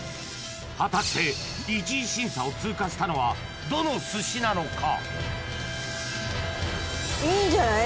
果たして１次審査を通過したのはどの寿司なのか？